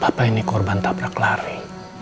papa ini kurban tabrak lari